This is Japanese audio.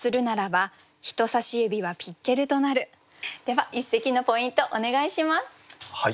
では一席のポイントお願いします。